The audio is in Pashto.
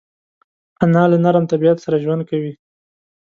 انا له نرم طبیعت سره ژوند کوي